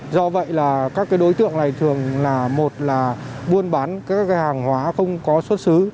do vậy là các đối tượng này thường là một là buôn bán các hàng hóa không có xuất xứ